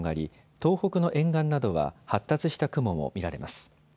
東北の沿岸などは発達した雲も見られます。